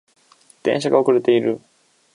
電車が遅れている